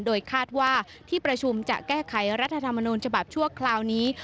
โดยคาดว่าที่ประชุมจะแก้ไขรัฐธรรมนูญฉบับชั่วคราวนี้